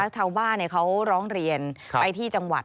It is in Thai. ชาวบ้านเขาร้องเรียนไปที่จังหวัด